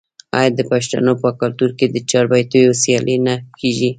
آیا د پښتنو په کلتور کې د چاربیتیو سیالي نه کیږي؟